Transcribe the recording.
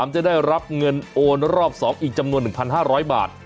จะได้รับเงินโอนรอบ๒อีกจำนวน๑๕๐๐บาท